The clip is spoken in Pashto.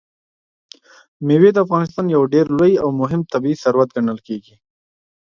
مېوې د افغانستان یو ډېر لوی او مهم طبعي ثروت ګڼل کېږي.